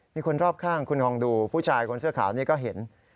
มีคนรอบข้างคุณลองดูผู้ชายคนเสื้อขาวนี่ก็เห็น